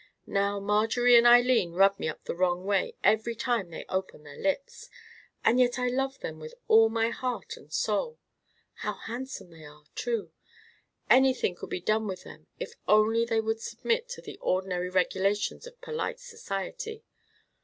Now Marjorie and Eileen rub me the wrong way every time they open their lips, and yet I love them with all my heart and soul. How handsome they are too! Anything could be done with them if only they would submit to the ordinary regulations of polite society.